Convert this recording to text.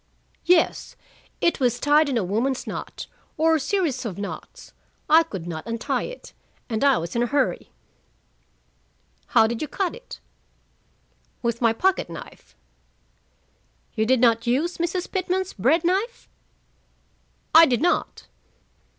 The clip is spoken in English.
"Yes. It was tied in a woman's knot, or series of knots. I could not untie it, and I was in a hurry." "How did you cut it?" "With my pocket knife." "You did not use Mrs. Pitman's bread knife?" "I did not."